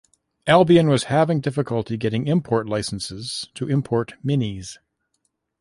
Albion were having difficulty getting import licences to import Minis.